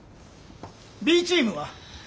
Ｂチームは。